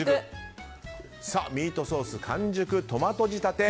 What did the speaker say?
さあ、ミートソース完熟トマト仕立て。